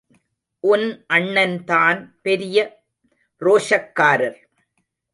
உன் அண்ணன்தான் பெரிய ரோஷக்காரர்.